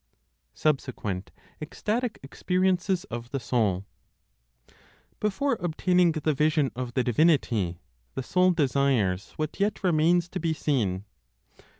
SUBSEQUENT ECSTATIC EXPERIENCES OF THE SOUL. Before obtaining the vision of the divinity, the soul desires what yet remains to be seen.